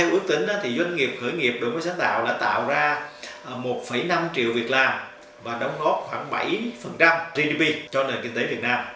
ước tính doanh nghiệp khởi nghiệp đổi mới sáng tạo đã tạo ra một năm triệu việc làm và đóng góp khoảng bảy gdp cho nền kinh tế việt nam